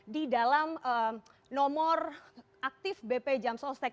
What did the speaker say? di dalam nomor aktif bp jam sostek